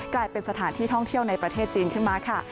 กลายเป็นสถานที่ท่องเที่ยวในประเทศจีนขึ้นมาค่ะ